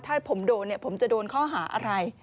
ถ้าผมโดนผมจะโดนข้อหาอะไร